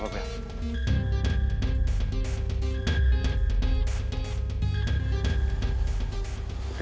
oh gak apa apa bel